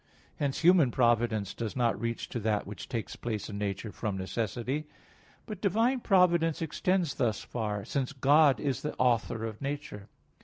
Hence human providence does not reach to that which takes place in nature from necessity; but divine providence extends thus far, since God is the author of nature.